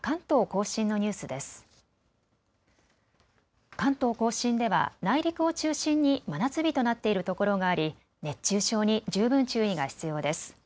甲信では内陸を中心に真夏日となっているところがあり熱中症に十分注意が必要です。